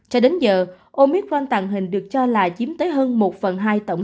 cho đến giờ omicron tàng hình được cho là chiếm tới hơn một phần hai tổng